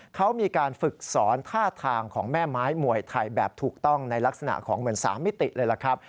เขามีการฝึกสอนท่าทางของแม่ไม้มวยไทยแบบถูกต้องในลักษณะของเหมือน๓มิติเลยล่ะครับ